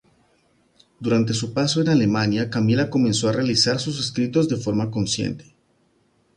Durante su paso en Alemania Camila comenzó a realizar sus escritos de forma consciente.